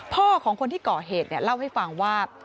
ของคนที่ก่อเหตุเล่าให้ฟังว่า